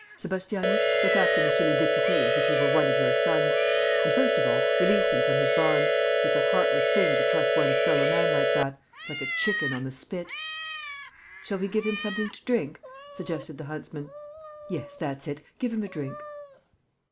Sébastiani, look after monsieur le député as if he were one of your sons. And, first of all, release him from his bonds. It's a heartless thing to truss one's fellow man like that, like a chicken on the spit!" "Shall we give him something to drink?" suggested the huntsman. "Yes, that's it, give him a drink."